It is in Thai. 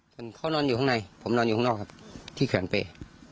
เขานอนอยู่ข้างในผมนอนอยู่ข้างนอกที่เขียนไป